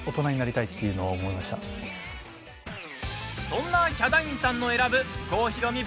そんなヒャダインさんの選ぶ郷ひろみ